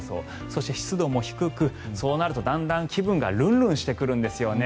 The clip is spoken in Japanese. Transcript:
そして、湿度も低くそうなるとだんだん気分がルンルンしてくるんですよね。